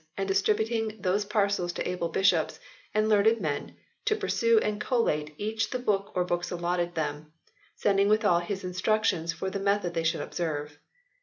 and distributing those parcels to able bishops and learned men, to peruse and collate each the book or books allotted them : sending withal his instructions for the method they should observe."